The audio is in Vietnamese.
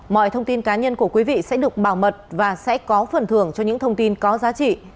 mọi thông tin cá nhân của quý vị sẽ được bảo mật và sẽ có phần thưởng cho những thông tin có giá trị